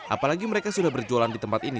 apalagi mereka sudah berjualan di tempat ini